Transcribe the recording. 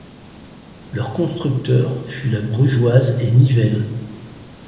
Leur constructeur fut La Brugeoise et Nivelles.